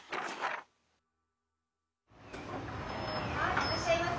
いらっしゃいませ。